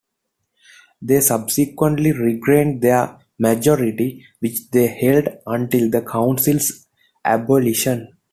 They subsequently regained their majority, which they held until the council's abolition.